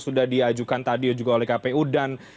sudah diajukan tadi juga oleh kpu dan